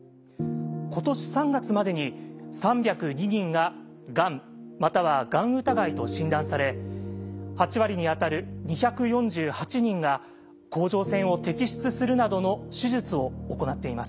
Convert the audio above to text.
今年３月までに３０２人が「がん」または「がん疑い」と診断され８割にあたる２４８人が甲状腺を摘出するなどの手術を行っています。